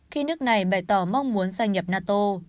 khi nước này bày tỏ mong muốn gia nhập nato